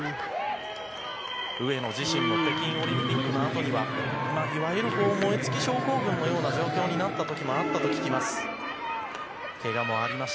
上野自身も北京オリンピックのあとには、いわゆる燃え尽き症候群のような状況になったときもあったと聞きます。